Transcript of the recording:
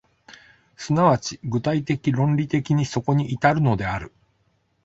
即ち具体的論理的にそこに至るのである。